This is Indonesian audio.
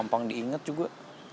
gampang diinget juga